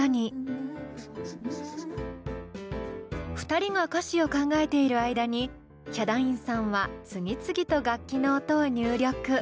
２人が歌詞を考えている間にヒャダインさんは次々と楽器の音を入力。